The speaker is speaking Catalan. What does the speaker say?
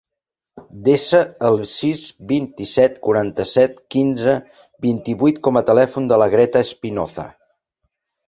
Desa el sis, vint-i-set, quaranta-set, quinze, vint-i-vuit com a telèfon de la Greta Espinoza.